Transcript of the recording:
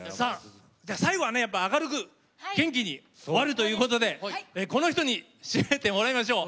最後は、明るく元気に終わるということでこの人に締めてもらいましょう！